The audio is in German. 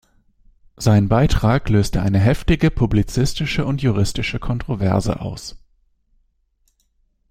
Sein Beitrag löste eine heftige publizistische und juristische Kontroverse aus.